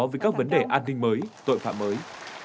với các vấn đề an ninh mới tội phạm mới